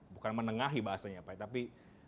bukan menengahi bahasanya pak tapi